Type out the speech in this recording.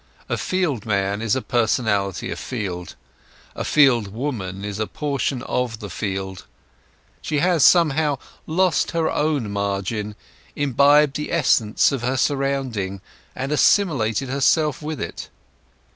A field man is a personality afield; a field woman is a portion of the field; she had somehow lost her own margin, imbibed the essence of her surrounding, and assimilated herself with it.